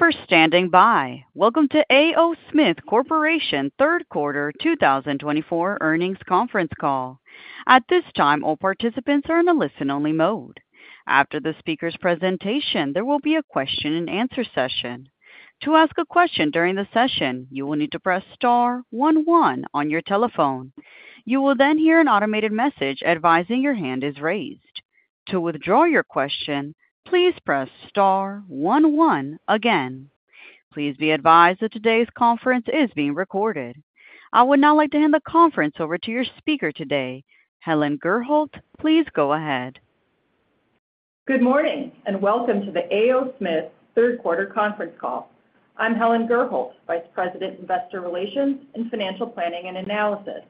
Thank you for standing by. Welcome to A. O. Smith Corporation Third Quarter 2024 Earnings Conference Call. At this time, all participants are in a listen-only mode. After the speaker's presentation, there will be a question-and-answer session. To ask a question during the session, you will need to press star one one on your telephone. You will then hear an automated message advising your hand is raised. To withdraw your question, please press star one one again. Please be advised that today's conference is being recorded. I would now like to hand the conference over to your speaker today, Helen Gerhold. Please go ahead. Good morning, and welcome to the A. O. Smith third quarter conference call. I'm Helen Gerhold, Vice President, Investor Relations and Financial Planning and Analysis.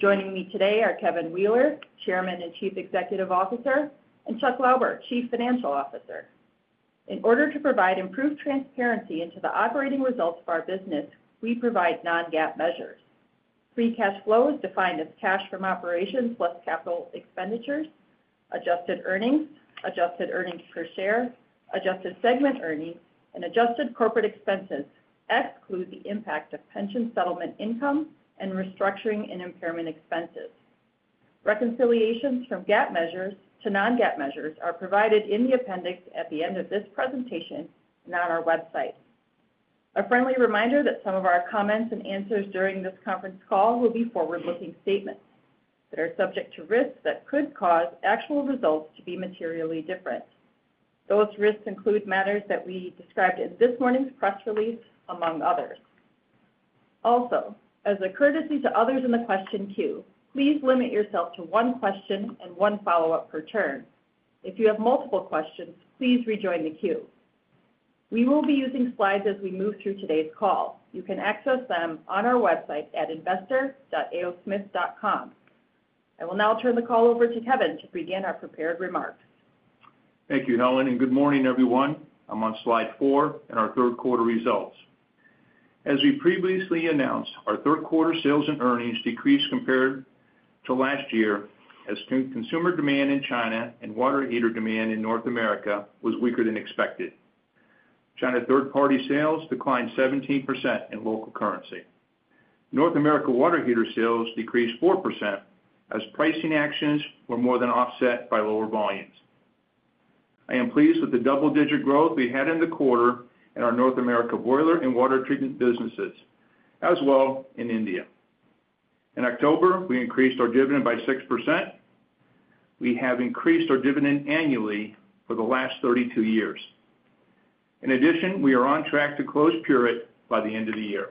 Joining me today are Kevin Wheeler, Chairman and Chief Executive Officer, and Chuck Lauber, Chief Financial Officer. In order to provide improved transparency into the operating results of our business, we provide non-GAAP measures. Free cash flow is defined as cash from operations plus capital expenditures. Adjusted earnings, adjusted earnings per share, adjusted segment earnings, and adjusted corporate expenses exclude the impact of pension settlement income and restructuring and impairment expenses. Reconciliations from GAAP measures to non-GAAP measures are provided in the appendix at the end of this presentation and on our website. A friendly reminder that some of our comments and answers during this conference call will be forward-looking statements that are subject to risks that could cause actual results to be materially different. Those risks include matters that we described in this morning's press release, among others. Also, as a courtesy to others in the question queue, please limit yourself to one question and one follow-up per turn. If you have multiple questions, please rejoin the queue. We will be using slides as we move through today's call. You can access them on our website at investor.aosmith.com. I will now turn the call over to Kevin to begin our prepared remarks. Thank you, Helen, and good morning, everyone. I'm on slide four in our third quarter results. As we previously announced, our third quarter sales and earnings decreased compared to last year as consumer demand in China and water heater demand in North America was weaker than expected. China third-party sales declined 17% in local currency. North America water heater sales decreased 4% as pricing actions were more than offset by lower volumes. I am pleased with the double-digit growth we had in the quarter in our North America boiler and water treatment businesses, as well in India. In October, we increased our dividend by 6%. We have increased our dividend annually for the last 32 years. In addition, we are on track to close Pureit by the end of the year.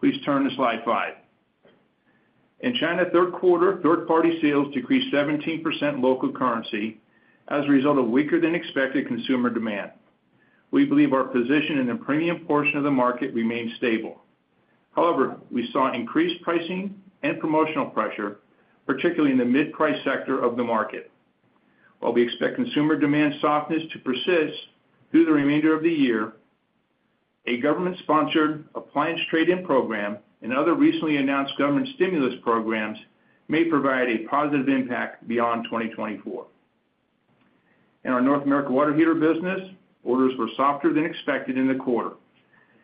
Please turn to slide five. In China, third quarter, third-party sales decreased 17% in local currency as a result of weaker than expected consumer demand. We believe our position in the premium portion of the market remains stable. However, we saw increased pricing and promotional pressure, particularly in the mid-price sector of the market. While we expect consumer demand softness to persist through the remainder of the year, a government-sponsored appliance trade-in program and other recently announced government stimulus programs may provide a positive impact beyond 2024. In our North America water heater business, orders were softer than expected in the quarter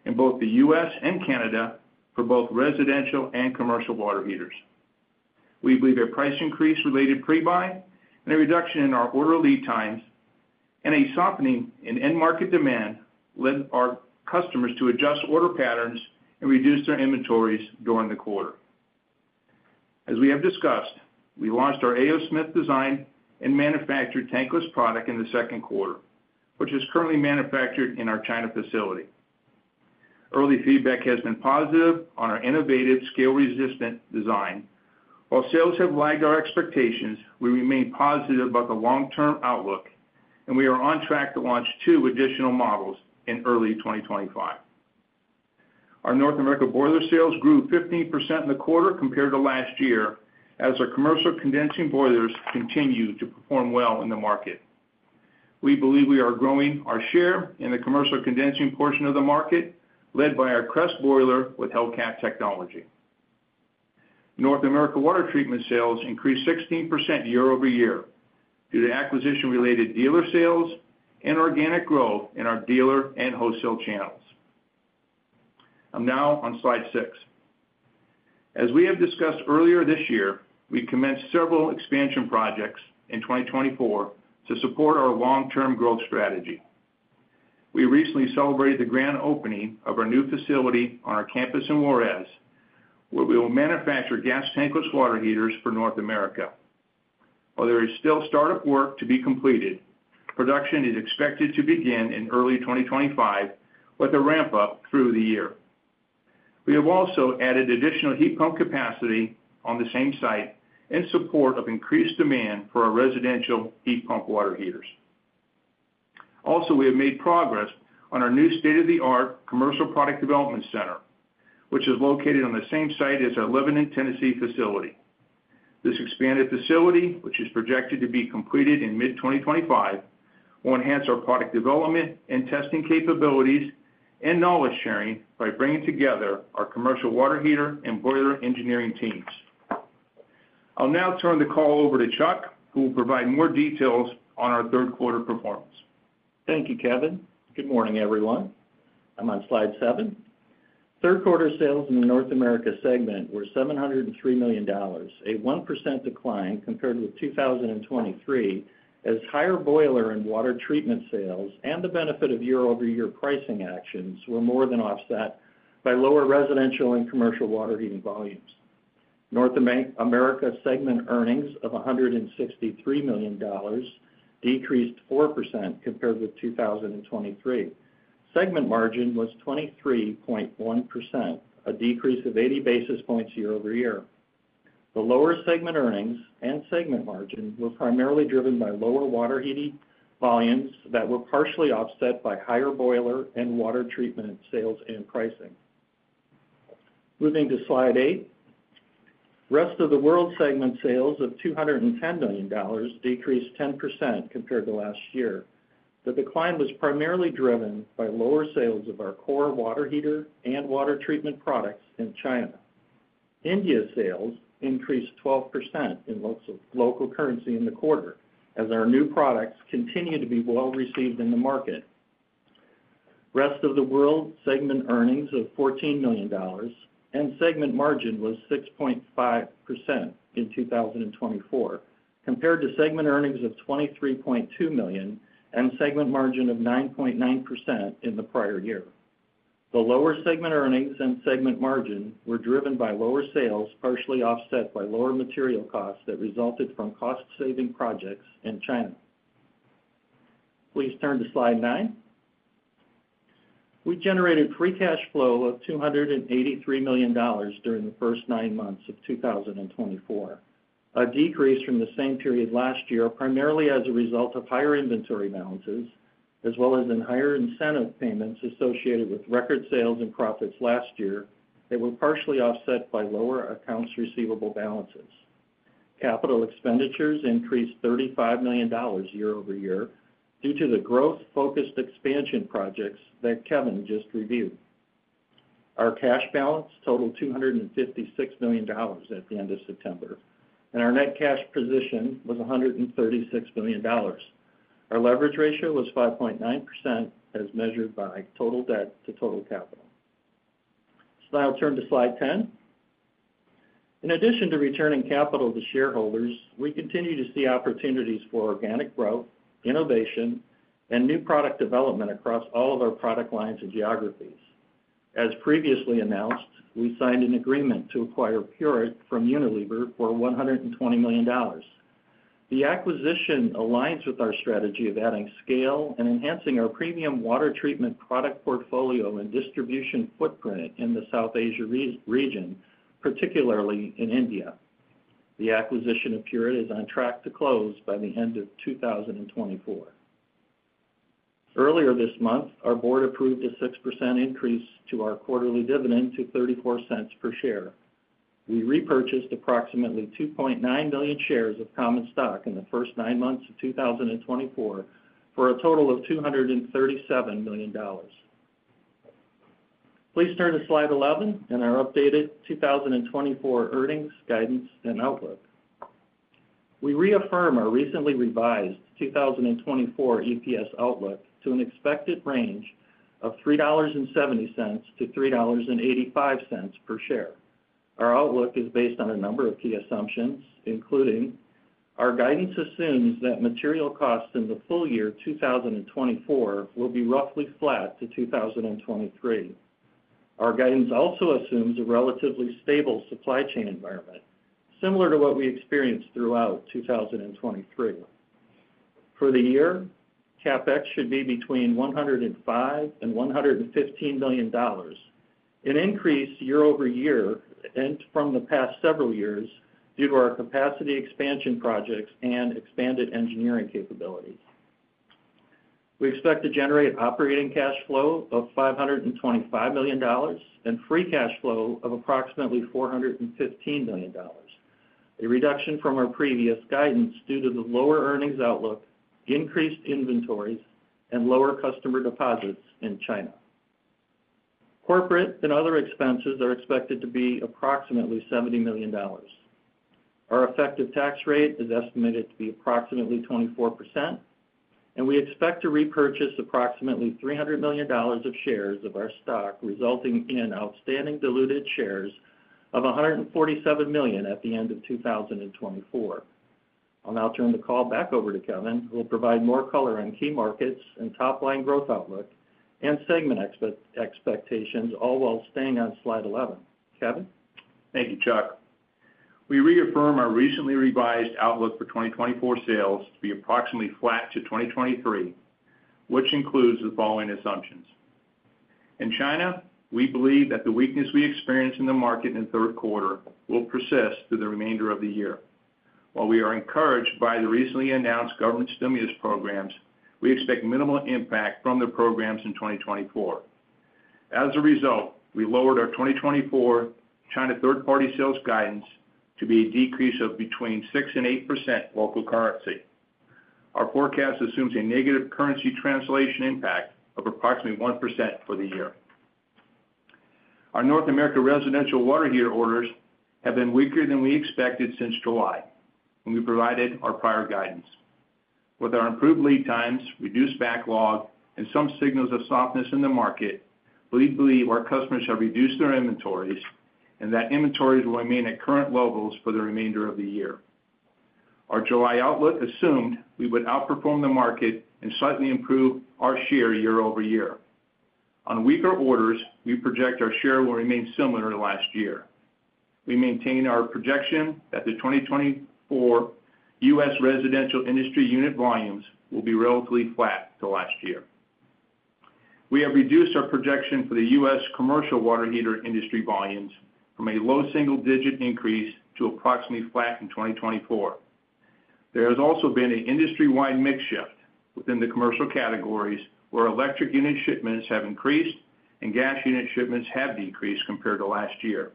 in both the U.S., and Canada for both residential and commercial water heaters. We believe a price increase related pre-buy and a reduction in our order lead times and a softening in end-market demand led our customers to adjust order patterns and reduce their inventories during the quarter. As we have discussed, we launched our A. O. Smith design and manufactured tankless product in the second quarter, which is currently manufactured in our China facility. Early feedback has been positive on our innovative scale-resistant design. While sales have lagged our expectations, we remain positive about the long-term outlook, and we are on track to launch two additional models in early 2025. Our North America boiler sales grew 15% in the quarter compared to last year, as our commercial condensing boilers continue to perform well in the market. We believe we are growing our share in the commercial condensing portion of the market, led by our Crest boiler with Hellcat technology. North America water treatment sales increased 16% year-over-year due to acquisition-related dealer sales and organic growth in our dealer and wholesale channels. I'm now on slide six. As we have discussed earlier this year, we commenced several expansion projects in 2024 to support our long-term growth strategy. We recently celebrated the grand opening of our new facility on our campus in Juarez, where we will manufacture gas tankless water heaters for North America. While there is still startup work to be completed, production is expected to begin in early 2025 with a ramp-up through the year. We have also added additional heat pump capacity on the same site in support of increased demand for our residential heat pump water heaters. Also, we have made progress on our new state-of-the-art commercial product development center, which is located on the same site as our Lebanon, Tennessee, facility. This expanded facility, which is projected to be completed in mid-2025, will enhance our product development and testing capabilities and knowledge sharing by bringing together our commercial water heater and boiler engineering teams. I'll now turn the call over to Chuck, who will provide more details on our third quarter performance. Thank you, Kevin. Good morning, everyone. I'm on slide seven. Third quarter sales in the North America segment were $703 million, a 1% decline compared with 2023, as higher boiler and water treatment sales and the benefit of year-over-year pricing actions were more than offset by lower residential and commercial water heating volumes. North America segment earnings of $163 million decreased 4% compared with 2023. Segment margin was 23.1%, a decrease of 80 basis points year-over-year. The lower segment earnings and segment margin were primarily driven by lower water heating volumes that were partially offset by higher boiler and water treatment sales and pricing. Moving to slide eight. Rest of the World segment sales of $210 million decreased 10% compared to last year. The decline was primarily driven by lower sales of our core water heater and water treatment products in China. India sales increased 12% in local currency in the quarter, as our new products continue to be well-received in the market. Rest of the World segment earnings of $14 million and segment margin was 6.5% in 2024, compared to segment earnings of $23.2 million and segment margin of 9.9% in the prior year. The lower segment earnings and segment margin were driven by lower sales, partially offset by lower material costs that resulted from cost-saving projects in China. Please turn to slide nine. We generated free cash flow of $283 million during the first nine months of 2024, a decrease from the same period last year, primarily as a result of higher inventory balances, as well as higher incentive payments associated with record sales and profits last year that were partially offset by lower accounts receivable balances. Capital expenditures increased $35 million year-over-year due to the growth-focused expansion projects that Kevin just reviewed. Our cash balance totaled $256 million at the end of September, and our net cash position was $136 million. Our leverage ratio was 5.9% as measured by total debt to total capital, so now I'll turn to slide 10. In addition to returning capital to shareholders, we continue to see opportunities for organic growth, innovation, and new product development across all of our product lines and geographies. As previously announced, we signed an agreement to acquire Pureit from Unilever for $120 million. The acquisition aligns with our strategy of adding scale and enhancing our premium water treatment product portfolio and distribution footprint in the South Asia region, particularly in India. The acquisition of Pureit is on track to close by the end of 2024. Earlier this month, our board approved a 6% increase to our quarterly dividend to $0.34 per share. We repurchased approximately $2.9 million shares of common stock in the first nine months of 2024, for a total of $237 million. Please turn to slide eleven and our updated 2024 earnings guidance and outlook. We reaffirm our recently revised 2024 EPS outlook to an expected range of $3.70-$3.85 per share. Our outlook is based on a number of key assumptions, including: Our guidance assumes that material costs in the full year 2024 will be roughly flat to 2023. Our guidance also assumes a relatively stable supply chain environment, similar to what we experienced throughout 2023. For the year, CapEx should be between $105 million and $115 million, an increase year-over-year and from the past several years due to our capacity expansion projects and expanded engineering capabilities. We expect to generate operating cash flow of $525 million and free cash flow of approximately $415 million, a reduction from our previous guidance due to the lower earnings outlook, increased inventories, and lower customer deposits in China. Corporate and other expenses are expected to be approximately $70 million. Our effective tax rate is estimated to be approximately 24%, and we expect to repurchase approximately $300 million of shares of our stock, resulting in outstanding diluted shares of $147 million at the end of 2024. I'll now turn the call back over to Kevin, who will provide more color on key markets and top-line growth outlook and segment expectations, all while staying on slide 11. Kevin? Thank you, Chuck. We reaffirm our recently revised outlook for 2024 sales to be approximately flat to 2023, which includes the following assumptions. In China, we believe that the weakness we experienced in the market in the third quarter will persist through the remainder of the year. While we are encouraged by the recently announced government stimulus programs, we expect minimal impact from the programs in 2024. As a result, we lowered our 2024 China third-party sales guidance to be a decrease of between 6% and 8% local currency. Our forecast assumes a negative currency translation impact of approximately 1% for the year. Our North America residential water heater orders have been weaker than we expected since July, when we provided our prior guidance. With our improved lead times, reduced backlog, and some signals of softness in the market, we believe our customers have reduced their inventories and that inventories will remain at current levels for the remainder of the year. Our July outlook assumed we would outperform the market and slightly improve our share year-over-year. On weaker orders, we project our share will remain similar to last year. We maintain our projection that the 2024 U.S. residential industry unit volumes will be relatively flat to last year. We have reduced our projection for the U.S. commercial water heater industry volumes from a low single-digit increase to approximately flat in 2024. There has also been an industry-wide mix shift within the commercial categories, where electric unit shipments have increased and gas unit shipments have decreased compared to last year.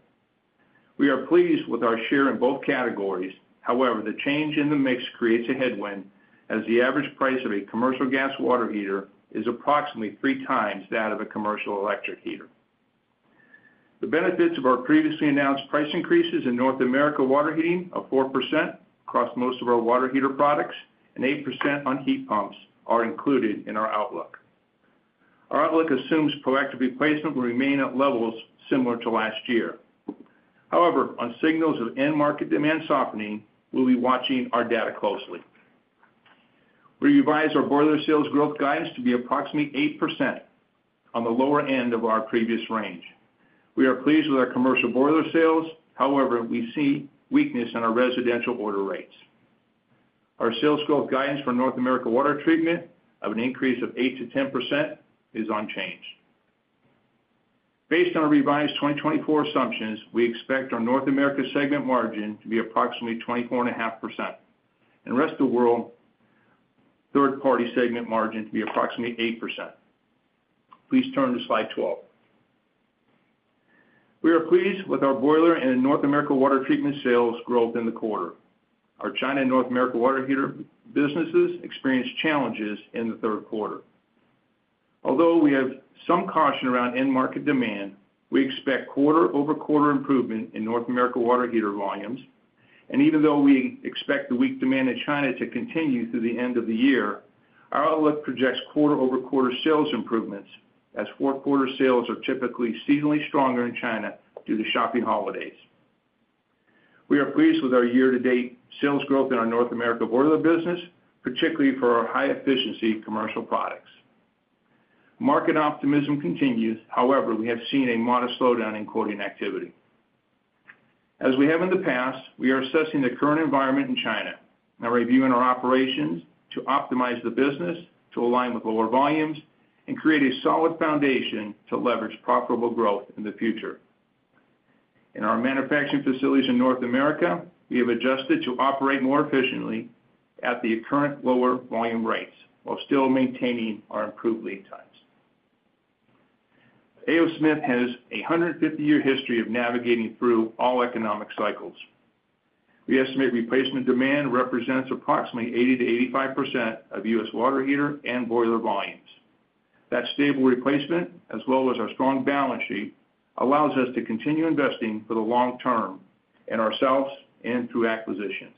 We are pleased with our share in both categories. However, the change in the mix creates a headwind, as the average price of a commercial gas water heater is approximately three times that of a commercial electric heater. The benefits of our previously announced price increases in North America water heating of 4% across most of our water heater products and 8% on heat pumps are included in our outlook. Our outlook assumes proactive replacement will remain at levels similar to last year. However, on signals of end market demand softening, we'll be watching our data closely. We revised our boiler sales growth guidance to be approximately 8% on the lower end of our previous range. We are pleased with our commercial boiler sales, however, we see weakness in our residential order rates. Our sales growth guidance for North America water treatment of an increase of 8%-10% is unchanged. Based on our revised 2024 assumptions, we expect our North America segment margin to be approximately 24.5%, and rest of world third-party segment margin to be approximately 8%. Please turn to slide 12. We are pleased with our boiler and North America water treatment sales growth in the quarter. Our China and North America water heater businesses experienced challenges in the third quarter. Although we have some caution around end market demand, we expect quarter-over-quarter improvement in North America water heater volumes, and even though we expect the weak demand in China to continue through the end of the year, our outlook projects quarter-over-quarter sales improvements, as fourth quarter sales are typically seasonally stronger in China due to shopping holidays. We are pleased with our year-to-date sales growth in our North America boiler business, particularly for our high-efficiency commercial products. Market optimism continues. However, we have seen a modest slowdown in quoting activity. As we have in the past, we are assessing the current environment in China and reviewing our operations to optimize the business, to align with lower volumes and create a solid foundation to leverage profitable growth in the future. In our manufacturing facilities in North America, we have adjusted to operate more efficiently at the current lower volume rates, while still maintaining our improved lead times. A. O. Smith has a 150-year history of navigating through all economic cycles. We estimate replacement demand represents approximately 80%-85% of U.S. water heater and boiler volumes. That stable replacement, as well as our strong balance sheet, allows us to continue investing for the long term in ourselves and through acquisitions.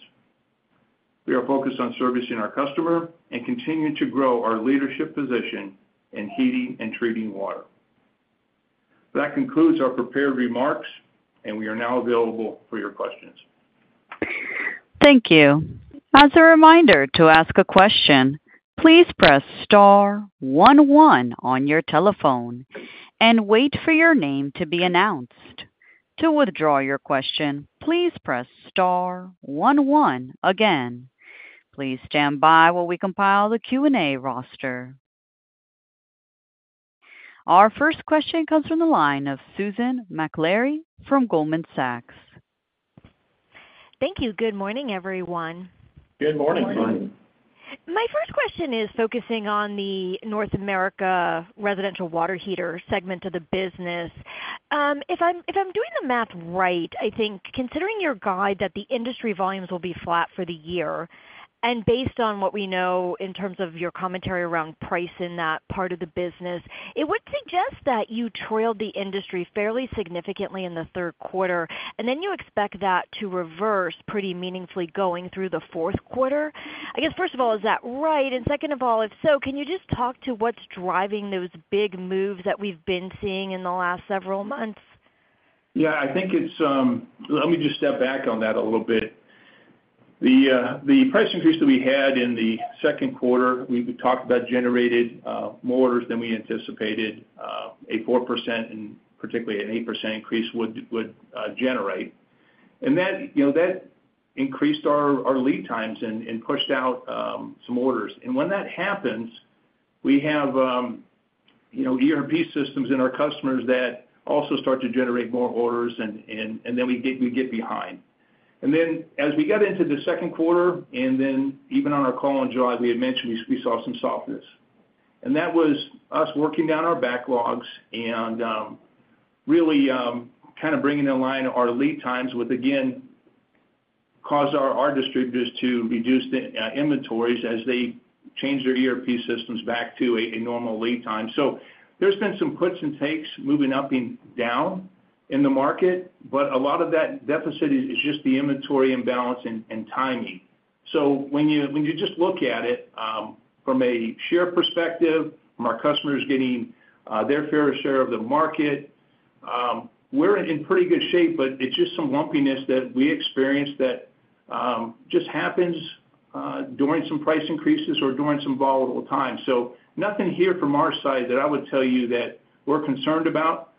We are focused on servicing our customer and continuing to grow our leadership position in heating and treating water. That concludes our prepared remarks, and we are now available for your questions. Thank you. As a reminder, to ask a question, please press star one one on your telephone and wait for your name to be announced. To withdraw your question, please press star one one again. Please stand by while we compile the Q&A roster. Our first question comes from the line of Susan Maklari from Goldman Sachs. Thank you. Good morning, everyone. Good morning. Good morning. My first question is focusing on the North America residential water heater segment of the business. If I'm doing the math right, I think considering your guide that the industry volumes will be flat for the year, and based on what we know in terms of your commentary around price in that part of the business, it would suggest that you trailed the industry fairly significantly in the third quarter, and then you expect that to reverse pretty meaningfully going through the fourth quarter. I guess, first of all, is that right? And second of all, if so, can you just talk to what's driving those big moves that we've been seeing in the last several months? Yeah, I think it's. Let me just step back on that a little bit. The price increase that we had in the second quarter we talked about generated more orders than we anticipated, a 4%, and particularly an 8% increase would generate. And that, you know, that increased our lead times and pushed out some orders. And when that happens, we have, you know, ERP systems in our customers that also start to generate more orders, and then we get behind. And then as we got into the second quarter, and then even on our call in July, we had mentioned we saw some softness. And that was us working down our backlogs and really kind of bringing in line our lead times with. Again, caused our distributors to reduce the inventories as they change their ERP systems back to a normal lead time. So there's been some puts and takes moving up and down in the market, but a lot of that deficit is just the inventory imbalance and timing. So when you just look at it from a share perspective, from our customers getting their fair share of the market, we're in pretty good shape, but it's just some lumpiness that we experienced that just happens during some price increases or during some volatile times. So nothing here from our side that I would tell you that we're concerned about.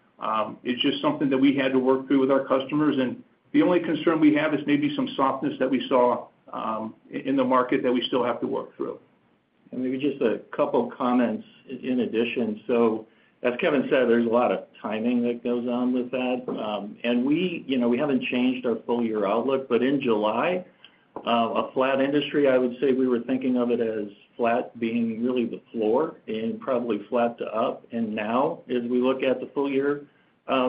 It's just something that we had to work through with our customers, and the only concern we have is maybe some softness that we saw in the market that we still have to work through. Maybe just a couple comments in addition. As Kevin said, there's a lot of timing that goes on with that. We, you know, we haven't changed our full year outlook, but in July, a flat industry, I would say we were thinking of it as flat being really the floor and probably flat to up. Now, as we look at the full year,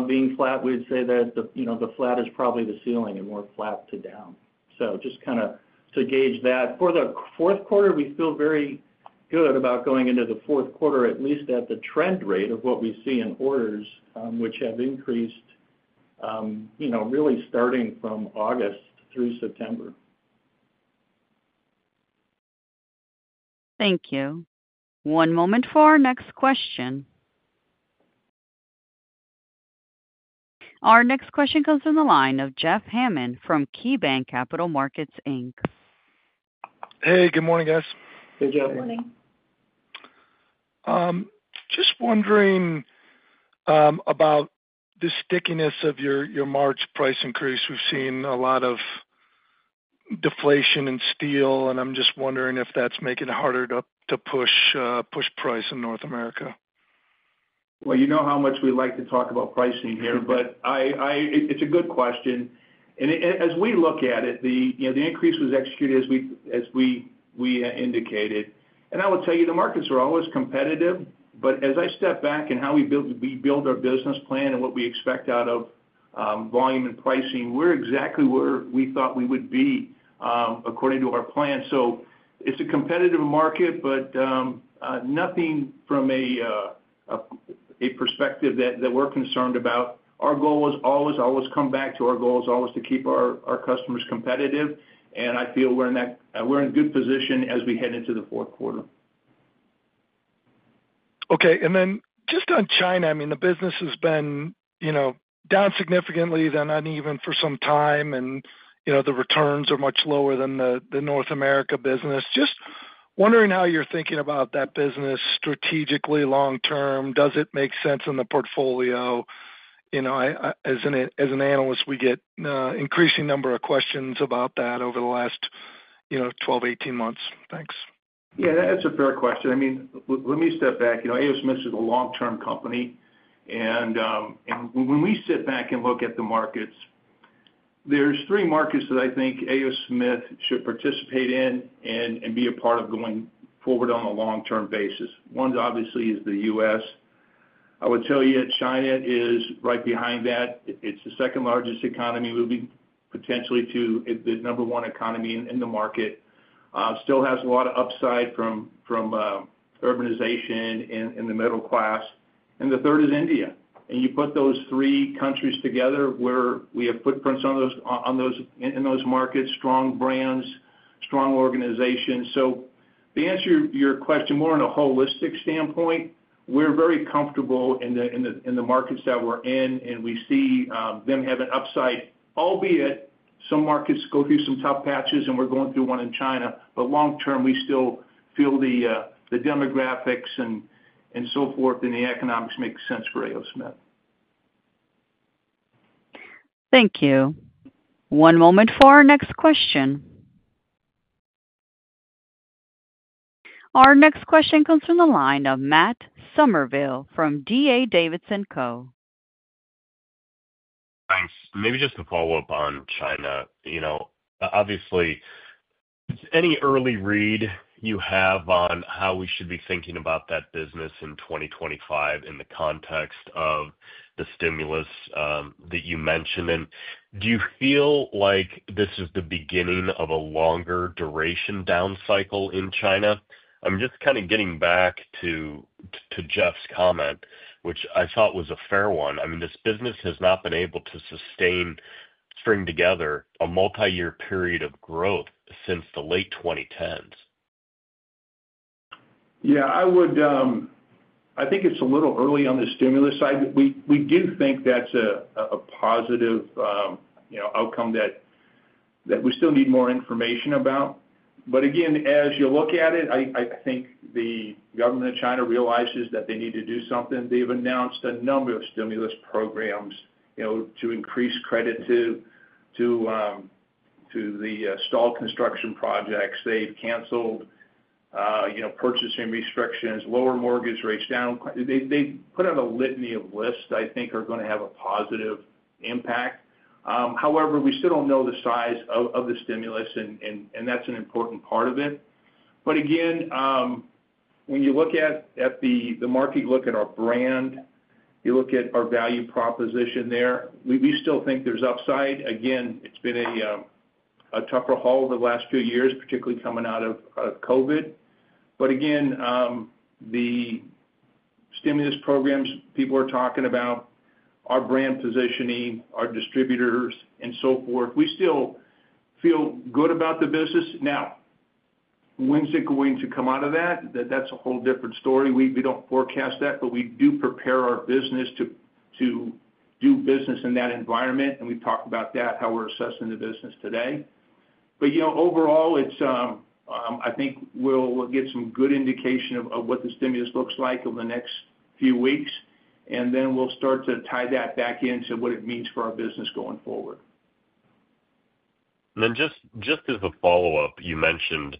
being flat, we'd say that the, you know, the flat is probably the ceiling and more flat to down. Just kind of to gauge that. For the fourth quarter, we feel very good about going into the fourth quarter, at least at the trend rate of what we see in orders, which have increased, you know, really starting from August through September. Thank you. One moment for our next question. Our next question comes from the line of Jeff Hammond from KeyBanc Capital Markets Inc. Hey, good morning, guys. Hey, Jeff. Good morning. Just wondering about the stickiness of your March price increase. We've seen a lot of deflation in steel, and I'm just wondering if that's making it harder to push price in North America. You know how much we like to talk about pricing here, but it's a good question. As we look at it, you know, the increase was executed as we indicated. I will tell you, the markets are always competitive, but as I step back and how we build our business plan and what we expect out of volume and pricing, we're exactly where we thought we would be according to our plan. It's a competitive market, but nothing from a perspective that we're concerned about. Our goal is always to come back to our goal is always to keep our customers competitive, and I feel we're in good position as we head into the fourth quarter. Okay. And then just on China, I mean, the business has been, you know, down significantly, then uneven for some time, and, you know, the returns are much lower than the North America business. Just wondering how you're thinking about that business strategically, long term. Does it make sense in the portfolio? You know, I, as an analyst, we get increasing number of questions about that over the last, you know, 12, 18 months. Thanks. Yeah, that's a fair question. I mean, let me step back. You know, A. O. Smith is a long-term company, and when we sit back and look at the markets, there's three markets that I think A. O. Smith should participate in and be a part of going forward on a long-term basis. One obviously is the U.S. I would tell you that China is right behind that. It's the second largest economy, will be potentially to the number one economy in the market. Still has a lot of upside from urbanization in the middle class. And the third is India. And you put those three countries together, where we have footprints in those markets, strong brands, strong organizations. To answer your question more on a holistic standpoint, we're very comfortable in the markets that we're in, and we see them have an upside, albeit some markets go through some tough patches, and we're going through one in China, but long term, we still feel the demographics and so forth, and the economics make sense for A. O. Smith. Thank you. One moment for our next question. Our next question comes from the line of Matt Summerville from D.A. Davidson Co. Thanks. Maybe just to follow up on China. You know, obviously, any early read you have on how we should be thinking about that business in 2025 in the context of the stimulus that you mentioned, and do you feel like this is the beginning of a longer duration down cycle in China? I'm just kind of getting back to Jeff's comment, which I thought was a fair one. I mean, this business has not been able to sustain, string together a multiyear period of growth since the late 2010s. Yeah, I would. I think it's a little early on the stimulus side. We do think that's a positive, you know, outcome that we still need more information about. But again, as you look at it, I think the government of China realizes that they need to do something. They've announced a number of stimulus programs, you know, to increase credit to the stalled construction projects. They've canceled, you know, purchasing restrictions, lower mortgage rates down. They've put out a litany of lists I think are going to have a positive impact. However, we still don't know the size of the stimulus, and that's an important part of it. But again, when you look at the market, you look at our brand, you look at our value proposition there, we still think there's upside. Again, it's been a tougher haul over the last few years, particularly coming out of COVID. But again, the stimulus programs people are talking about, our brand positioning, our distributors, and so forth, we still feel good about the business. Now, when's it going to come out of that? That's a whole different story. We don't forecast that, but we do prepare our business to do business in that environment, and we've talked about that, how we're assessing the business today. But, you know, overall, it's, I think we'll get some good indication of what the stimulus looks like over the next few weeks, and then we'll start to tie that back into what it means for our business going forward. Just as a follow-up, you mentioned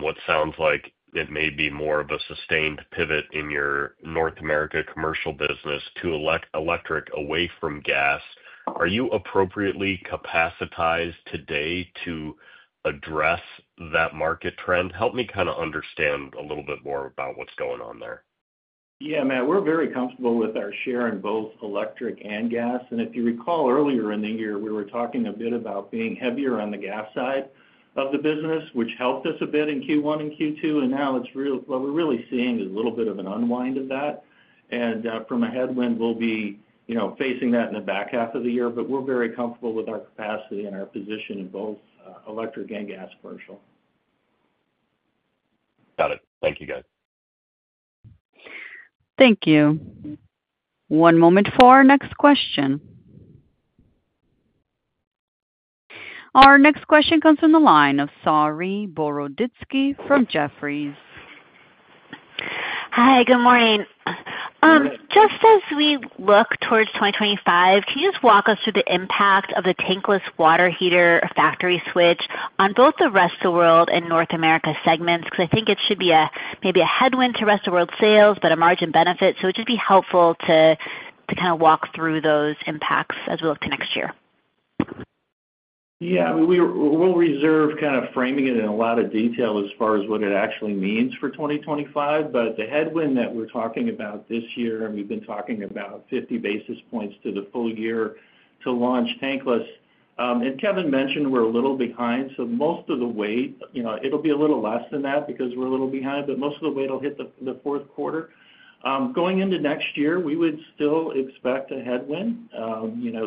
what sounds like it may be more of a sustained pivot in your North America commercial business to electric, away from gas. Are you appropriately capacitated today to address that market trend? Help me kind of understand a little bit more about what's going on there. Yeah, Matt, we're very comfortable with our share in both electric and gas. And if you recall earlier in the year, we were talking a bit about being heavier on the gas side of the business, which helped us a bit in Q1 and Q2, and now it's really what we're really seeing is a little bit of an unwind of that. And from a headwind, we'll be, you know, facing that in the back half of the year, but we're very comfortable with our capacity and our position in both, electric and gas commercial. Got it. Thank you, guys. Thank you. One moment for our next question. Our next question comes from the line of Saree Boroditsky from Jefferies. Hi, good morning. Good morning. Just as we look towards 2025, can you just walk us through the impact of the tankless water heater factory switch on both the Rest of World and North America segments? Because I think it should be a, maybe a headwind to Rest of World sales, but a margin benefit. So it'd just be helpful to kind of walk through those impacts as we look to next year. Yeah, we'll reserve kind of framing it in a lot of detail as far as what it actually means for 2025. But the headwind that we're talking about this year, and we've been talking about 50 basis points to the full year to launch tankless. And Kevin mentioned we're a little behind, so most of the weight, you know, it'll be a little less than that because we're a little behind, but most of the weight will hit the fourth quarter. Going into next year, we would still expect a headwind. You know,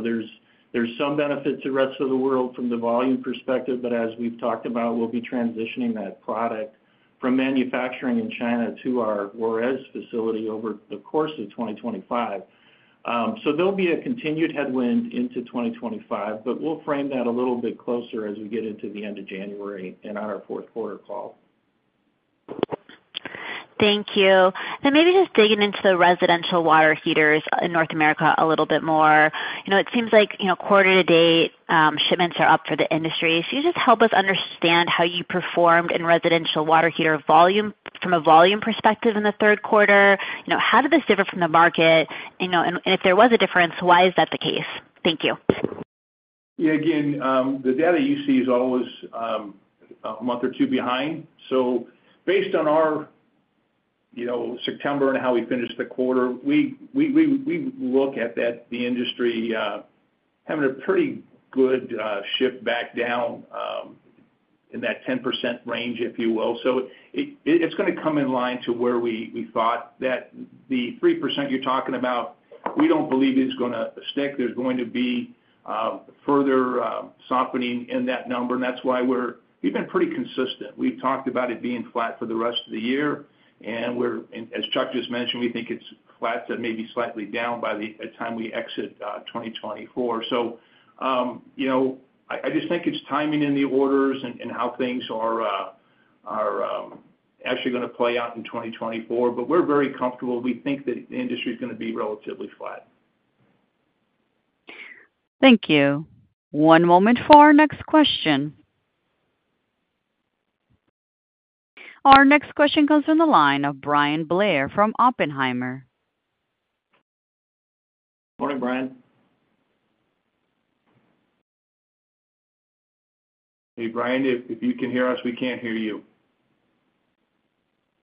there's some benefit to the rest of the world from the volume perspective, but as we've talked about, we'll be transitioning that product from manufacturing in China to our Juarez facility over the course of 2025. So there'll be a continued headwind into 2025, but we'll frame that a little bit closer as we get into the end of January and on our fourth quarter call. Thank you. Then maybe just digging into the residential water heaters in North America a little bit more. You know, it seems like, you know, quarter to date, shipments are up for the industry. So you just help us understand how you performed in residential water heater volume, from a volume perspective in the third quarter. You know, how did this differ from the market? You know, and if there was a difference, why is that the case? Thank you. Yeah, again, the data you see is always a month or two behind. So based on our, you know, September and how we finished the quarter, we look at the industry having a pretty good shift back down in that 10% range, if you will. So it's gonna come in line to where we thought. That the 3% you're talking about, we don't believe is gonna stick. There's going to be further softening in that number, and that's why we've been pretty consistent. We've talked about it being flat for the rest of the year, and as Chuck just mentioned, we think it's flat to maybe slightly down by the time we exit 2024. So, you know, I just think it's timing in the orders and how things are actually gonna play out in 2024, but we're very comfortable. We think that the industry is gonna be relatively flat. Thank you. One moment for our next question. Our next question comes from the line of Bryan Blair from Oppenheimer. Morning, Bryan. Hey, Bryan, if you can hear us, we can't hear you.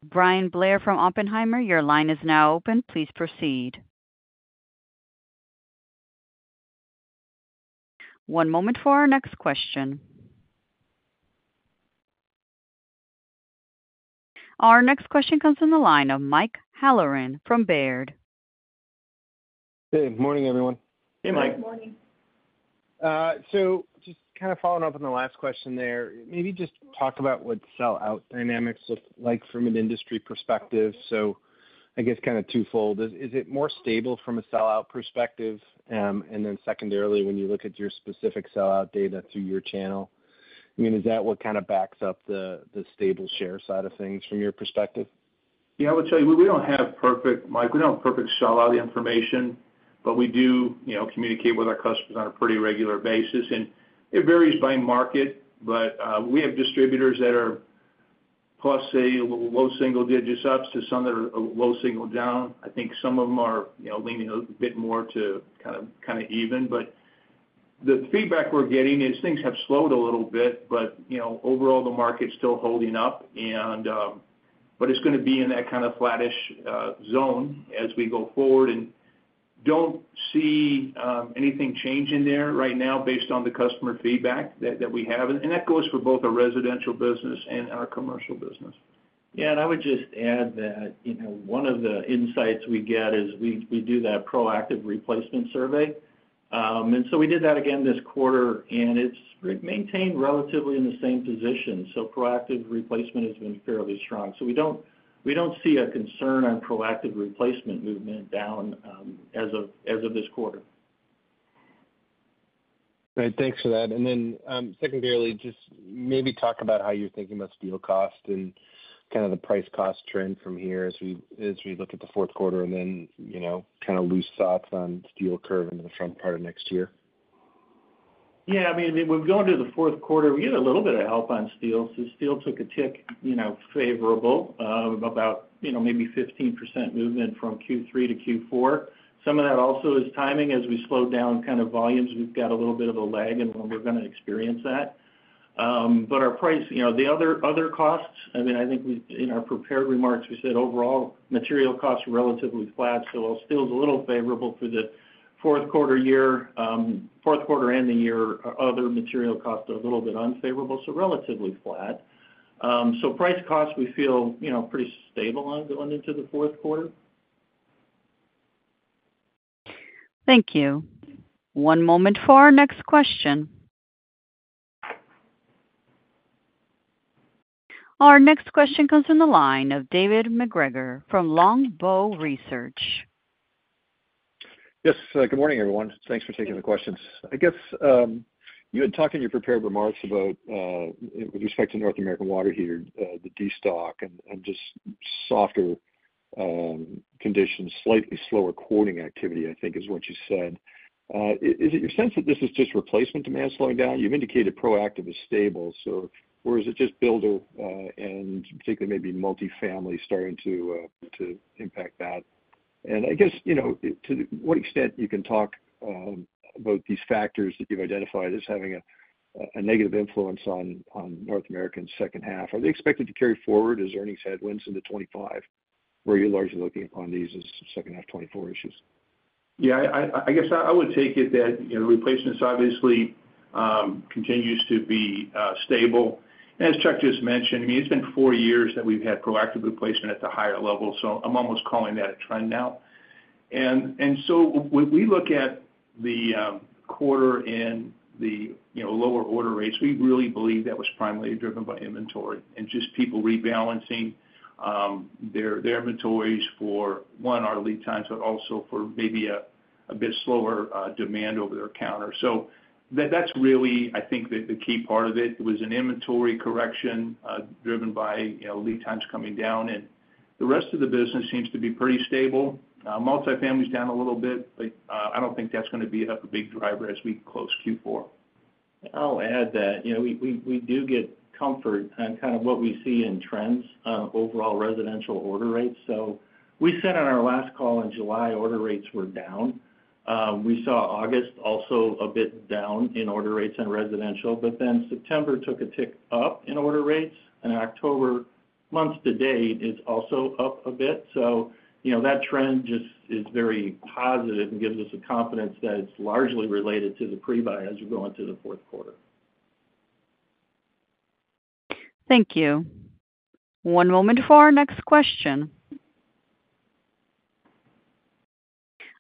Bryan Blair from Oppenheimer, your line is now open. Please proceed. One moment for our next question. Our next question comes from the line of Mike Halloran from Baird. Hey, morning, everyone. Hey, Mike. Good morning. So just kind of following up on the last question there, maybe just talk about what sell-out dynamics look like from an industry perspective. So I guess kind of twofold. Is it more stable from a sell-out perspective? And then secondarily, when you look at your specific sell-out data through your channel, I mean, is that what kind of backs up the stable share side of things from your perspective? Yeah, I would tell you, we don't have perfect, Mike, we don't have perfect sell-out information, but we do, you know, communicate with our customers on a pretty regular basis, and it varies by market. But, we have distributors that are plus, say, low single digits ups to some that are low single down. I think some of them are, you know, leaning a bit more to kind of even, but the feedback we're getting is things have slowed a little bit, but, you know, overall, the market's still holding up, and, but it's gonna be in that kind of flattish zone as we go forward, and don't see anything changing there right now based on the customer feedback that we have. And that goes for both our residential business and our commercial business. Yeah, and I would just add that, you know, one of the insights we get is we do that proactive replacement survey. And so we did that again this quarter, and it's maintained relatively in the same position. So proactive replacement has been fairly strong. So we don't see a concern on proactive replacement movement down, as of this quarter. Great. Thanks for that. And then, secondarily, just maybe talk about how you're thinking about steel cost and kind of the price cost trend from here as we look at the fourth quarter and then, you know, kind of loose thoughts on steel curve into the front part of next year. Yeah, I mean, we're going to the fourth quarter. We get a little bit of help on steel. So steel took a tick, you know, favorable, about, you know, maybe 15% movement from Q3 to Q4. Some of that also is timing. As we slow down kind of volumes, we've got a little bit of a lag in when we're gonna experience that. But our price, you know, the other, other costs, I mean, I think we-- in our prepared remarks, we said overall, material costs are relatively flat. So steel's a little favorable for the fourth quarter year, fourth quarter and the year. Other material costs are a little bit unfavorable, so relatively flat. So price costs, we feel, you know, pretty stable on going into the fourth quarter. Thank you. One moment for our next question. Our next question comes from the line of David MacGregor from Longbow Research. Yes, good morning, everyone. Thanks for taking the questions. I guess, you had talked in your prepared remarks about, with respect to North American water heater, the destock and just softer conditions, slightly slower quoting activity, I think, is what you said. Is it your sense that this is just replacement demand slowing down? You've indicated proactive is stable, so, or is it just builder, and particularly maybe multifamily starting to impact that? And I guess, you know, to what extent you can talk about these factors that you've identified as having a negative influence on North American second half. Are they expected to carry forward as earnings headwinds into 2025, or are you largely looking upon these as second half 2024 issues? Yeah, I guess I would take it that, you know, replacements obviously continues to be stable. As Chuck just mentioned, I mean, it's been four years that we've had proactive replacement at the higher level, so I'm almost calling that a trend now. And so when we look at the quarter and the, you know, lower order rates, we really believe that was primarily driven by inventory and just people rebalancing their inventories for, one, our lead times, but also for maybe a bit slower demand over-the-counter. So that's really, I think, the key part of it. It was an inventory correction driven by, you know, lead times coming down, and the rest of the business seems to be pretty stable. Multifamily is down a little bit, but I don't think that's gonna be a big driver as we close Q4. I'll add that, you know, we do get comfort on kind of what we see in trends, overall residential order rates. So we said on our last call in July, order rates were down. We saw August also a bit down in order rates and residential, but then September took a tick up in order rates, and October months to date is also up a bit. So, you know, that trend just is very positive and gives us the confidence that it's largely related to the pre-buy as you're going through the fourth quarter. Thank you. One moment for our next question.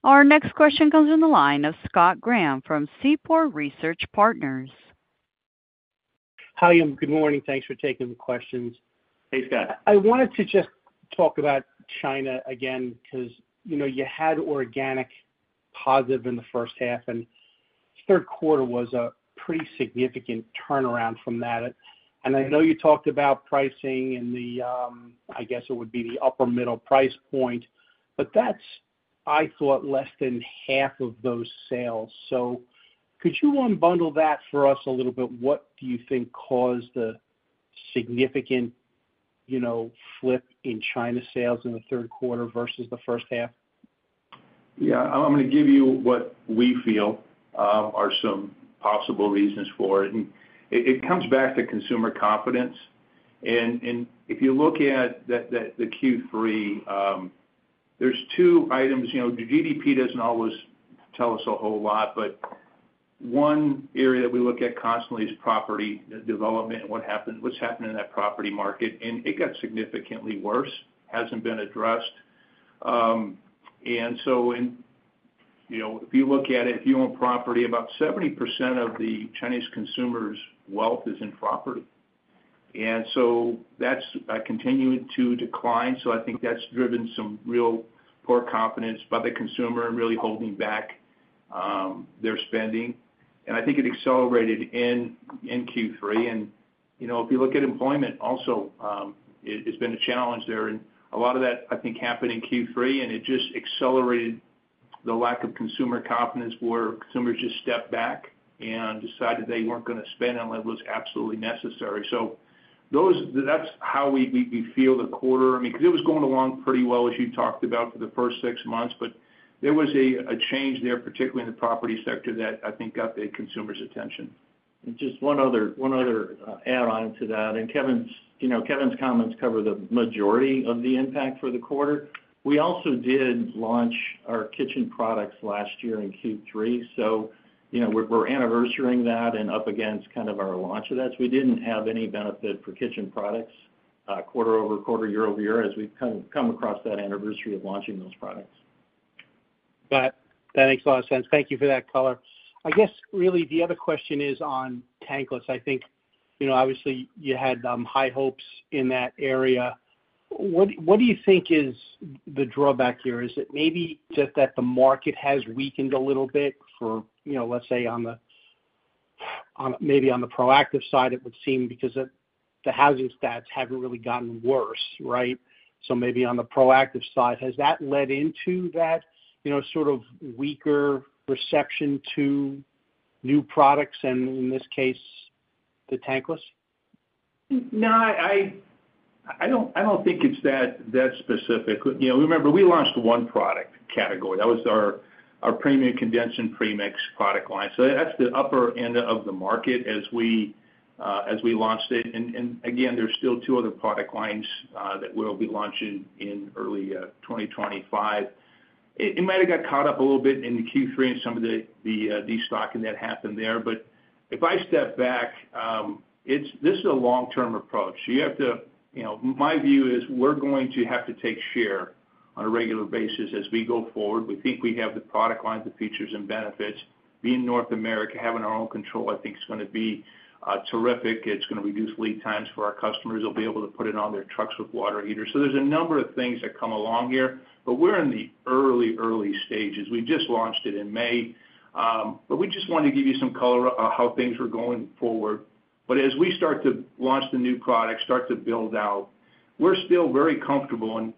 Our next question comes in the line of Scott Graham from Seaport Research Partners. Hi, and good morning. Thanks for taking the questions. Hey, Scott. I wanted to just talk about China again, because, you know, you had organic positive in the first half, and third quarter was a pretty significant turnaround from that. And I know you talked about pricing and the, I guess it would be the upper middle price point, but that's, I thought, less than half of those sales. So could you unbundle that for us a little bit? What do you think caused the significant, you know, flip in China sales in the third quarter versus the first half? Yeah, I'm gonna give you what we feel are some possible reasons for it, and it comes back to consumer confidence. And if you look at the Q3, there's two items. You know, the GDP doesn't always tell us a whole lot, but one area that we look at constantly is property development and what's happening in that property market, and it got significantly worse, hasn't been addressed. And so when, you know, if you look at it, if you own property, about 70% of the Chinese consumers' wealth is in property, and so that's continuing to decline. So I think that's driven some real poor confidence by the consumer and really holding back their spending. And I think it accelerated in Q3. You know, if you look at employment also, it's been a challenge there. A lot of that, I think, happened in Q3, and it just accelerated the lack of consumer confidence, where consumers just stepped back and decided they weren't gonna spend unless it was absolutely necessary. So that's how we feel the quarter. I mean, because it was going along pretty well, as you talked about for the first six months, but there was a change there, particularly in the property sector, that I think got the consumers' attention. Just one other add-on to that, and Kevin's, you know, Kevin's comments cover the majority of the impact for the quarter. We also did launch our kitchen products last year in Q3, so, you know, we're anniversarying that and up against kind of our launch of that. We didn't have any benefit for kitchen products, quarter-over-quarter, year-over-year, as we've come across that anniversary of launching those products. That makes a lot of sense. Thank you for that color. I guess, really, the other question is on tankless. I think, you know, obviously, you had high hopes in that area. What do you think is the drawback here? Is it maybe just that the market has weakened a little bit for, you know, let's say, on the, maybe on the proactive side, it would seem, because the housing stats haven't really gotten worse, right? So maybe on the proactive side, has that led into that, you know, sort of weaker perception to new products, and in this case, the tankless? No, I don't think it's that specific. You know, remember, we launched one product category. That was our premium condensing premix product line. So that's the upper end of the market as we launched it. And again, there's still two other product lines that we'll be launching in early 2025. It might have got caught up a little bit in the Q3 and some of the destocking that happened there. But if I step back, it's. This is a long-term approach. You have to, you know, my view is we're going to have to take share on a regular basis as we go forward. We think we have the product lines, the features, and benefits. Being in North America, having our own control, I think is gonna be terrific. It's gonna reduce lead times for our customers. They'll be able to put it on their trucks with water heaters. So there's a number of things that come along here, but we're in the early, early stages. We just launched it in May, but we just wanted to give you some color on how things were going forward. But as we start to launch the new product, start to build out, we're still very comfortable, and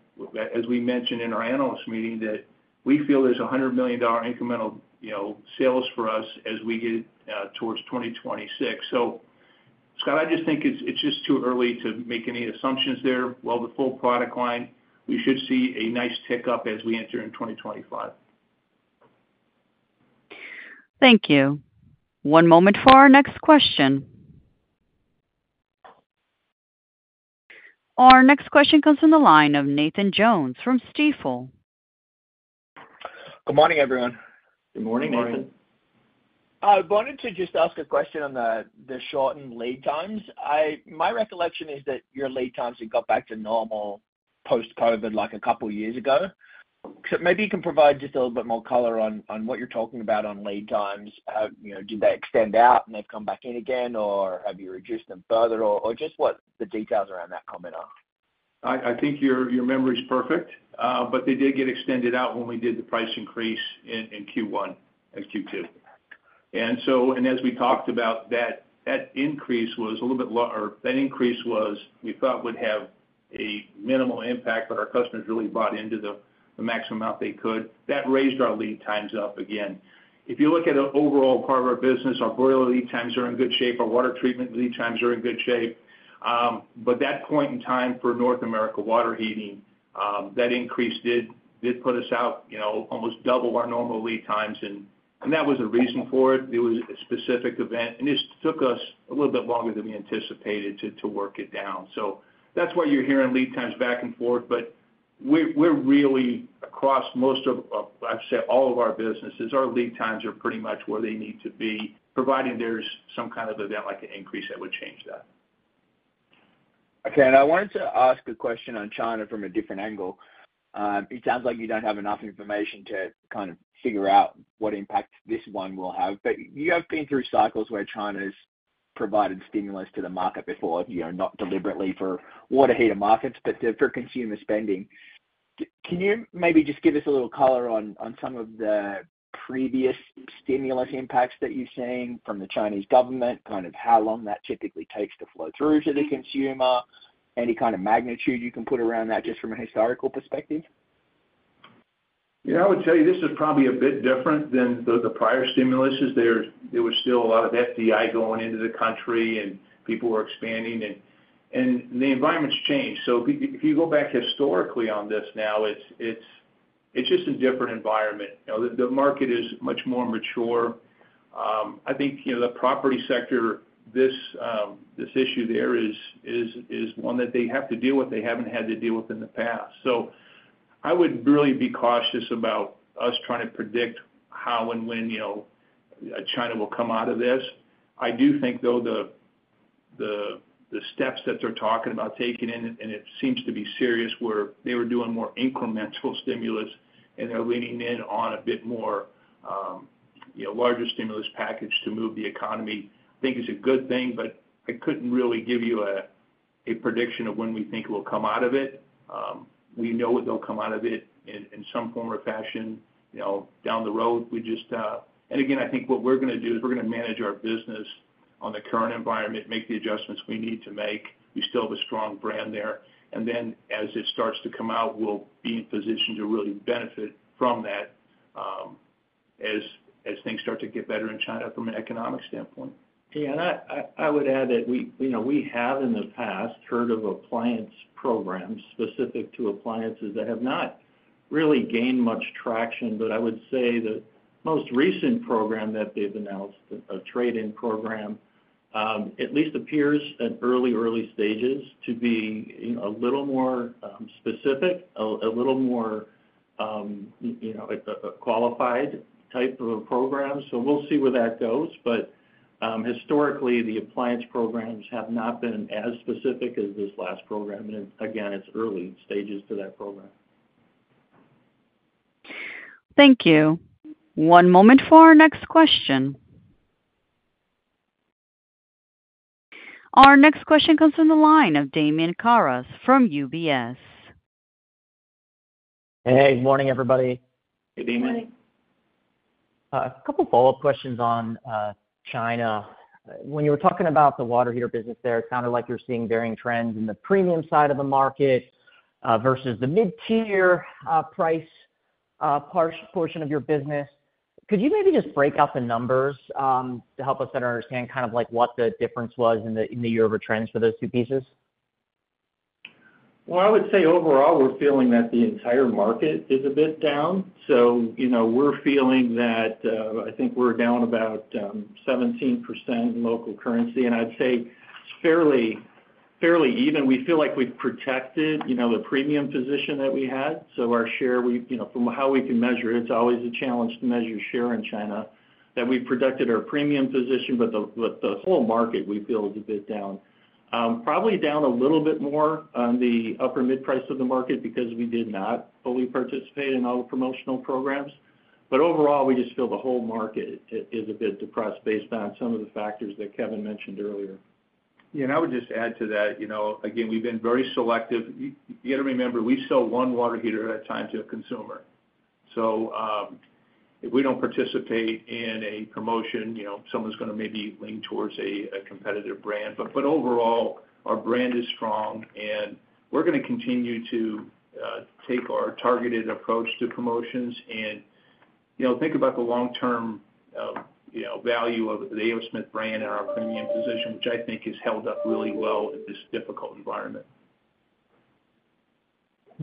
as we mentioned in our analyst meeting, that we feel there's $100 million incremental, you know, sales for us as we get towards 2026. So Scott, I just think it's, it's just too early to make any assumptions there. While the full product line, we should see a nice tick up as we enter in 2025. Thank you. One moment for our next question. Our next question comes from the line of Nathan Jones from Stifel. Good morning, everyone. Good morning, Nathan. Good morning. I wanted to just ask a question on the shortened lead times. My recollection is that your lead times had got back to normal post-COVID, like a couple of years ago. So maybe you can provide just a little bit more color on what you're talking about on lead times. You know, did they extend out and they've come back in again, or have you reduced them further? Or just what the details around that comment are. I think your memory is perfect, but they did get extended out when we did the price increase in Q1 and Q2. So, as we talked about that, that increase was, we thought would have a minimal impact, but our customers really bought into the maximum amount they could. That raised our lead times up again. If you look at the overall part of our business, our boiler lead times are in good shape, our water treatment lead times are in good shape. But that point in time for North America water heating, that increase did put us out, you know, almost double our normal lead times, and that was a reason for it. It was a specific event, and it just took us a little bit longer than we anticipated to work it down. So that's why you're hearing lead times back and forth. But we're really across most of, I'd say all of our businesses, our lead times are pretty much where they need to be, providing there's some kind of event, like an increase, that would change that. Okay, and I wanted to ask a question on China from a different angle. It sounds like you don't have enough information to kind of figure out what impact this one will have. But you have been through cycles where China's provided stimulus to the market before, you know, not deliberately for water heater markets, but for consumer spending. Can you maybe just give us a little color on some of the previous stimulus impacts that you've seen from the Chinese government, kind of how long that typically takes to flow through to the consumer? Any kind of magnitude you can put around that, just from a historical perspective? Yeah, I would tell you this is probably a bit different than the prior stimuli. There was still a lot of FDI going into the country, and people were expanding, and the environment's changed. So if you go back historically on this now, it's just a different environment. You know, the market is much more mature. I think, you know, the property sector, this issue there is one that they have to deal with, they haven't had to deal with in the past. So I would really be cautious about us trying to predict how and when, you know, China will come out of this. I do think, though, the steps that they're talking about taking, and it seems to be serious, where they were doing more incremental stimulus, and they're leaning in on a bit more, you know, larger stimulus package to move the economy, I think is a good thing, but I couldn't really give you a prediction of when we think we'll come out of it. We know they'll come out of it in some form or fashion, you know, down the road. We just, and again, I think what we're gonna do is we're gonna manage our business on the current environment, make the adjustments we need to make. We still have a strong brand there. And then as it starts to come out, we'll be in position to really benefit from that, as things start to get better in China from an economic standpoint. Yeah, and I would add that we, you know, we have in the past heard of appliance programs specific to appliances that have not really gain much traction, but I would say the most recent program that they've announced, a trade-in program, at least appears, at early, early stages, to be, you know, a little more specific, a little more, you know, a qualified type of a program. So we'll see where that goes. But, historically, the appliance programs have not been as specific as this last program, and again, it's early stages to that program. Thank you. One moment for our next question. Our next question comes from the line of Damian Karas from UBS. Hey, good morning, everybody. Good evening. Morning. A couple follow-up questions on China. When you were talking about the water heater business there, it sounded like you're seeing varying trends in the premium side of the market versus the mid-tier price portion of your business. Could you maybe just break out the numbers to help us better understand kind of like what the difference was in the year-over-year trends for those two pieces? I would say overall, we're feeling that the entire market is a bit down. So, you know, we're feeling that, I think we're down about 17% in local currency, and I'd say it's fairly even. We feel like we've protected, you know, the premium position that we had. So our share, you know, from how we can measure, it's always a challenge to measure share in China, that we've protected our premium position, but the whole market, we feel, is a bit down. Probably down a little bit more on the upper mid price of the market because we did not fully participate in all the promotional programs. But overall, we just feel the whole market is a bit depressed based on some of the factors that Kevin mentioned earlier. Yeah, and I would just add to that, you know, again, we've been very selective. You got to remember, we sell one water heater at a time to a consumer. So, if we don't participate in a promotion, you know, someone's gonna maybe lean towards a competitive brand. But overall, our brand is strong, and we're gonna continue to take our targeted approach to promotions and, you know, think about the long-term, you know, value of the A. O. Smith brand and our premium position, which I think has held up really well in this difficult environment.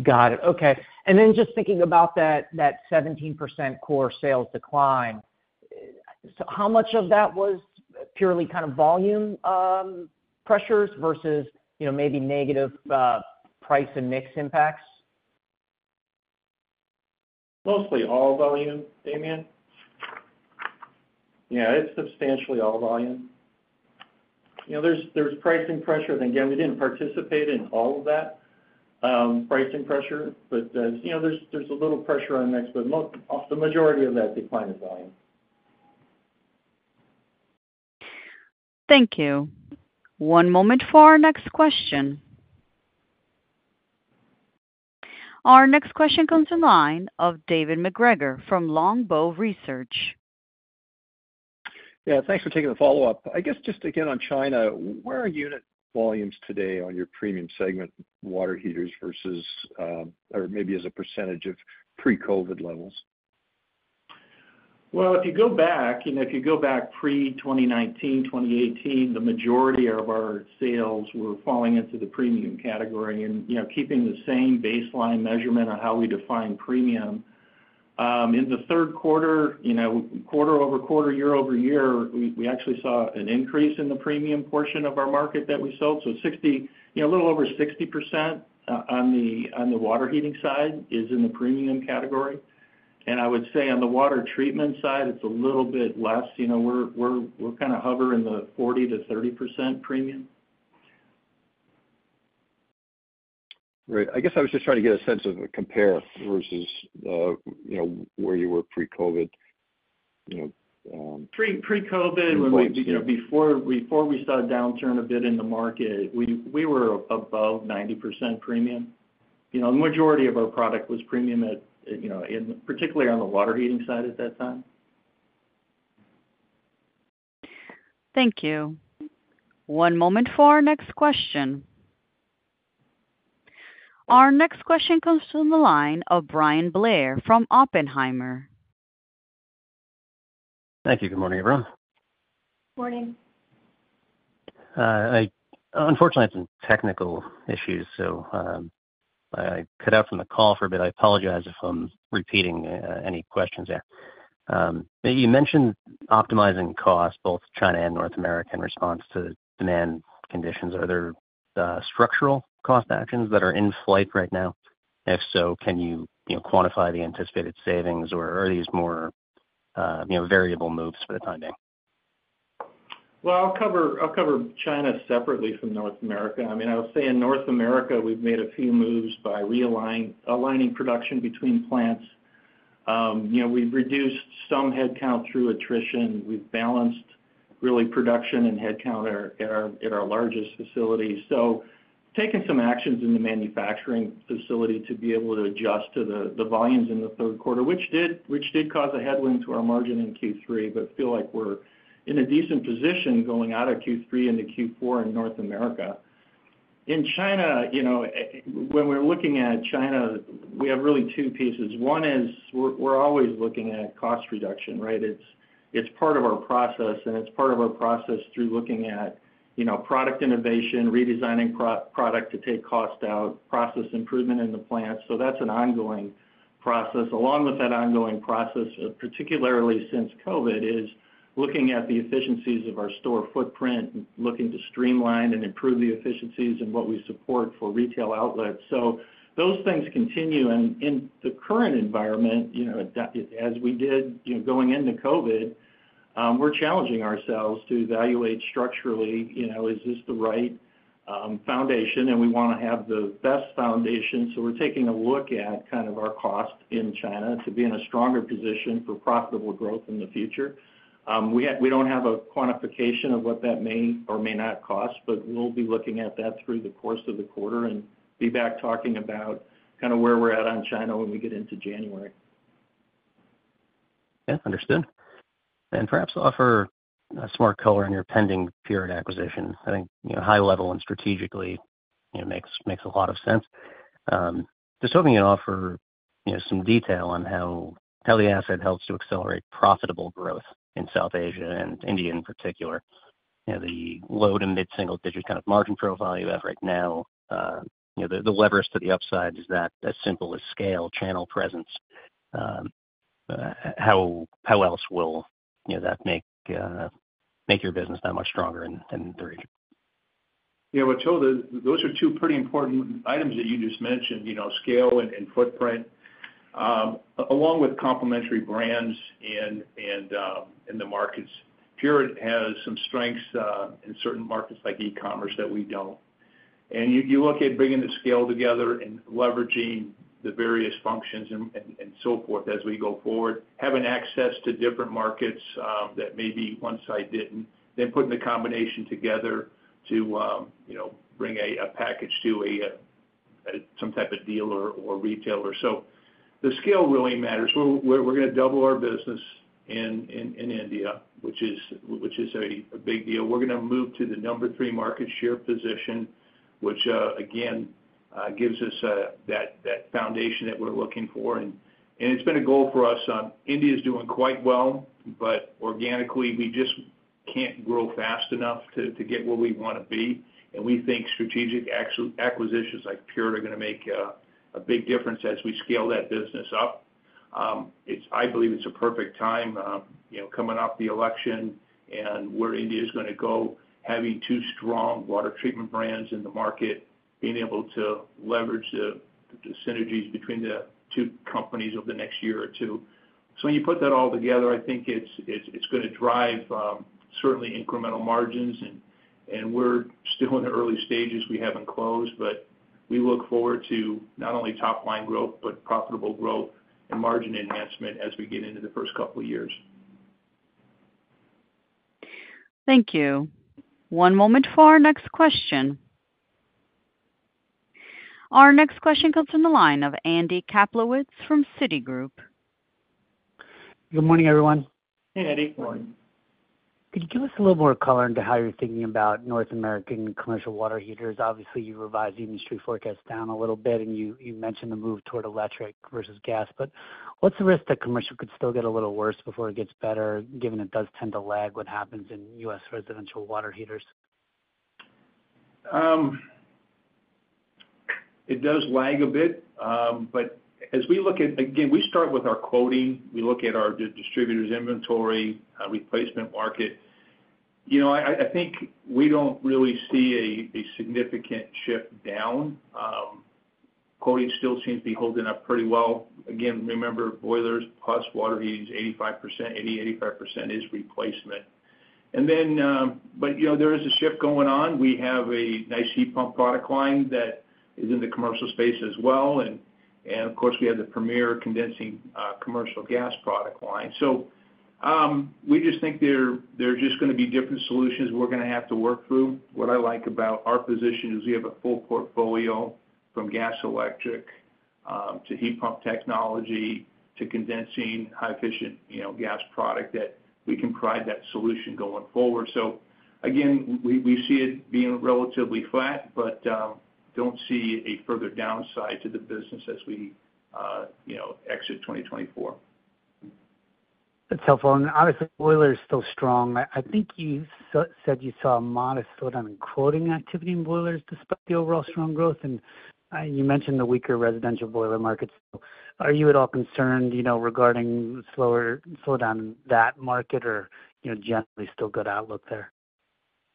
Got it. Okay. And then just thinking about that, that 17% core sales decline, so how much of that was purely kind of volume pressures versus, you know, maybe negative price and mix impacts? Mostly all volume, Damian. Yeah, it's substantially all volume. You know, there's pricing pressure, and again, we didn't participate in all of that pricing pressure, but you know, there's a little pressure on mix, but the majority of that decline is volume. Thank you. One moment for our next question. Our next question comes in line of David MacGregor from Longbow Research. Yeah, thanks for taking the follow-up. I guess just again, on China, where are unit volumes today on your premium segment water heaters versus, or maybe as a percentage of pre-COVID levels? If you go back, you know, if you go back pre-2019, 2018, the majority of our sales were falling into the premium category and, you know, keeping the same baseline measurement on how we define premium. In the third quarter, you know, quarter-over-quarter, year-over-year, we actually saw an increase in the premium portion of our market that we sold. So 60%, you know, a little over 60% on the water heating side is in the premium category. And I would say on the water treatment side, it's a little bit less, you know, we're kind of hover in the 40%-30% premium. Right. I guess I was just trying to get a sense of a compare versus, you know, where you were pre-COVID, you know- Pre-COVID, when we, you know, before we saw a downturn a bit in the market, we were above 90% premium. You know, the majority of our product was premium at, you know, in particular on the water heating side at that time. Thank you. One moment for our next question. Our next question comes from the line of Bryan Blair from Oppenheimer. Thank you. Good morning, everyone. Morning. I, unfortunately, had some technical issues, so I cut out from the call for a bit. I apologize if I'm repeating any questions here. You mentioned optimizing costs, both China and North America, in response to the demand conditions. Are there structural cost actions that are in flight right now? If so, can you, you know, quantify the anticipated savings, or are these more, you know, variable moves for the time being? I'll cover China separately from North America. I mean, I'll say in North America, we've made a few moves by aligning production between plants. You know, we've reduced some headcount through attrition. We've balanced really production and headcount at our largest facility. So taking some actions in the manufacturing facility to be able to adjust to the volumes in the third quarter, which did cause a headwind to our margin in Q3, but feel like we're in a decent position going out of Q3 into Q4 in North America. In China, you know, when we're looking at China, we have really two pieces. One is we're always looking at cost reduction, right? It's part of our process through looking at, you know, product innovation, redesigning product to take cost out, process improvement in the plant. So that's an ongoing process, along with that ongoing process, particularly since COVID, is looking at the efficiencies of our store footprint and looking to streamline and improve the efficiencies and what we support for retail outlets. So those things continue. And in the current environment, you know, and as we did, you know, going into COVID, we're challenging ourselves to evaluate structurally, you know, is this the right foundation? And we wanna have the best foundation, so we're taking a look at kind of our cost in China to be in a stronger position for profitable growth in the future. We don't have a quantification of what that may or may not cost, but we'll be looking at that through the course of the quarter and be back talking about kind of where we're at on China when we get into January. Yeah, understood. And perhaps offer some color on your pending Pureit acquisition. I think, you know, high level and strategically, you know, makes a lot of sense. Just hoping you offer, you know, some detail on how the asset helps to accelerate profitable growth in South Asia and India in particular. You know, the low to mid-single digit kind of margin profile you have right now, you know, the levers to the upside, is that as simple as scale, channel presence? How else will, you know, that make your business that much stronger in the region? Yeah, well, so those are two pretty important items that you just mentioned, you know, scale and, and footprint, along with complementary brands and, and, in the markets. Pureit has some strengths in certain markets like e-commerce that we don't. And you look at bringing the scale together and leveraging the various functions and so forth as we go forward, having access to different markets that maybe one site didn't, then putting the combination together to, you know, bring a package to a some type of dealer or retailer. The scale really matters. We're gonna double our business in India, which is a big deal. We're gonna move to the number three market share position, which again gives us that foundation that we're looking for. It's been a goal for us. India is doing quite well, but organically, we just can't grow fast enough to get where we wanna be. We think strategic acquisitions like Pureit are gonna make a big difference as we scale that business up. I believe it's a perfect time, you know, coming off the election and where India is gonna go, having two strong water treatment brands in the market, being able to leverage the synergies between the two companies over the next year or two. When you put that all together, I think it's gonna drive certainly incremental margins, and we're still in the early stages. We haven't closed, but we look forward to not only top line growth, but profitable growth and margin enhancement as we get into the first couple of years. Thank you. One moment for our next question. Our next question comes from the line of Andy Kaplowitz from Citigroup. Good morning, everyone. Hey, Andy. Good morning. Could you give us a little more color into how you're thinking about North American commercial water heaters? Obviously, you revised the industry forecast down a little bit, and you mentioned the move toward electric versus gas. But what's the risk that commercial could still get a little worse before it gets better, given it does tend to lag what happens in U.S. residential water heaters? It does lag a bit, but as we look at, again, we start with our quoting, we look at our distributor's inventory, replacement market. You know, I think we don't really see a significant shift down. Quoting still seems to be holding up pretty well. Again, remember, boilers plus water heating is 85%, 85% is replacement. But, you know, there is a shift going on. We have a nice heat pump product line that is in the commercial space as well, and of course, we have the premier condensing commercial gas product line, so we just think they're just gonna be different solutions we're gonna have to work through. What I like about our position is we have a full portfolio from gas electric to heat pump technology to condensing high efficient, you know, gas product that we can provide that solution going forward. So again, we see it being relatively flat, but don't see a further downside to the business as we, you know, exit 2024. That's helpful. And obviously, boiler is still strong. I think you said you saw a modest slowdown in quoting activity in boilers despite the overall strong growth, and you mentioned the weaker residential boiler market. So are you at all concerned, you know, regarding slower slowdown in that market or, you know, generally still good outlook there?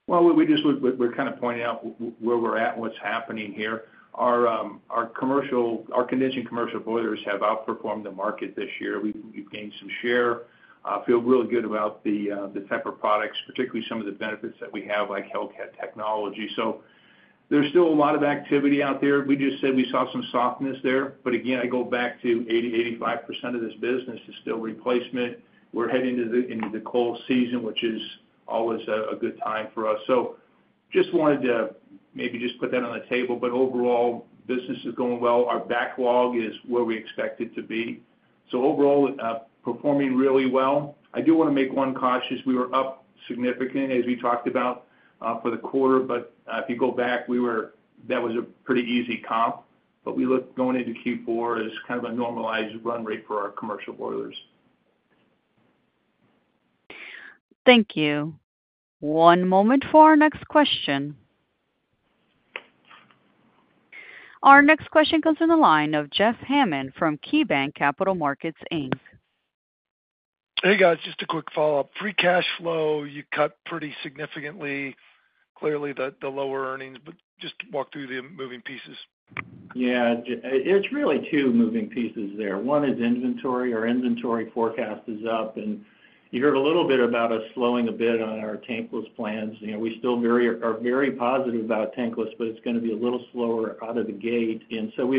We just are kind of pointing out where we're at, what's happening here. Our condensing commercial boilers have outperformed the market this year. We've gained some share, feel really good about the Tempest products, particularly some of the benefits that we have, like Hellcat technology. So there's still a lot of activity out there. We just said we saw some softness there, but again, I go back to 80%-85% of this business is still replacement. We're heading into the cold season, which is always a good time for us. Just wanted to maybe just put that on the table, but overall, business is going well. Our backlog is where we expect it to be. So overall, performing really well. I do wanna make one caution. We were up significantly, as we talked about, for the quarter, but if you go back, that was a pretty easy comp. But we look going into Q4 as kind of a normalized run rate for our commercial boilers. Thank you. One moment for our next question. Our next question comes in the line of Jeff Hammond from KeyBanc Capital Markets Inc. Hey, guys, just a quick follow-up. Free cash flow, you cut pretty significantly, clearly, the lower earnings, but just walk through the moving pieces. Yeah, it's really two moving pieces there. One is inventory. Our inventory forecast is up, and you heard a little bit about us slowing a bit on our tankless plans. You know, we still are very positive about tankless, but it's gonna be a little slower out of the gate. And so,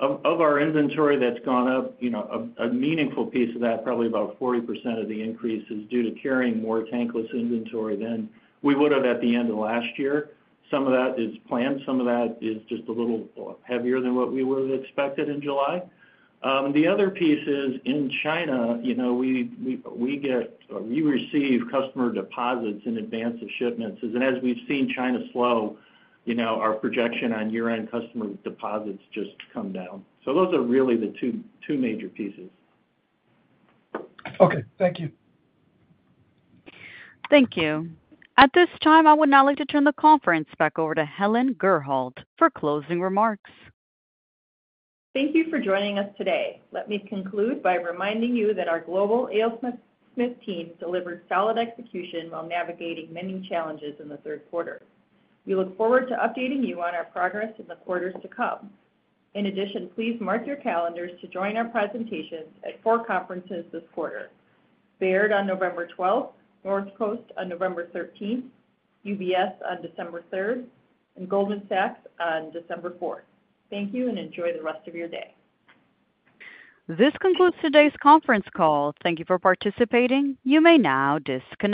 of our inventory that's gone up, you know, a meaningful piece of that, probably about 40% of the increase, is due to carrying more tankless inventory than we would have at the end of last year. Some of that is planned, some of that is just a little heavier than what we would have expected in July. The other piece is in China, you know, we receive customer deposits in advance of shipments. As we've seen China slow, you know, our projection on year-end customer deposits just come down. So those are really the two, two major pieces. Okay, thank you. Thank you. At this time, I would now like to turn the conference back over to Helen Gurholt for closing remarks. Thank you for joining us today. Let me conclude by reminding you that our global A. O. Smith team delivered solid execution while navigating many challenges in the third quarter. We look forward to updating you on our progress in the quarters to come. In addition, please mark your calendars to join our presentations at four conferences this quarter: Baird on November twelfth, Northcoast on November thirteenth, UBS on December third, and Goldman Sachs on December fourth. Thank you, and enjoy the rest of your day. This concludes today's conference call. Thank you for participating. You may now disconnect.